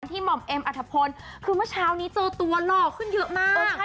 หม่อมเอ็มอัธพลคือเมื่อเช้านี้เจอตัวหล่อขึ้นเยอะมาก